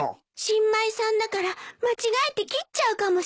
新米さんだから間違えて切っちゃうかもしれないわよ。